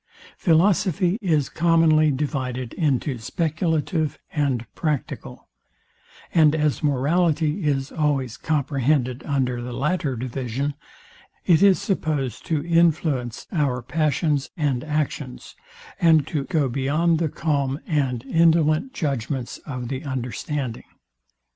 Philosophy is commonly divided into speculative and practical; and as morality is always comprehended under the latter division, it is supposed to influence our passions and actions, and to go beyond the calm and indolent judgments of the understanding.